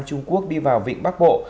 trung quốc đi vào vịnh bắc bộ